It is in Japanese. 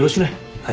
はい。